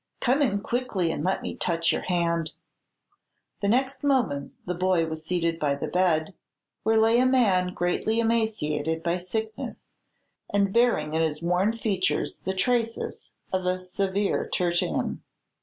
Come in quickly, and let me touch your hand." The next moment the boy was seated by the bed, where lay a man greatly emaciated by sickness, and bearing in his worn features the traces of a severe tertian.